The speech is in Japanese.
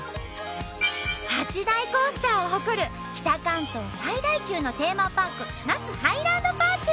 ８大コースターを誇る北関東最大級のテーマパーク那須ハイランドパーク。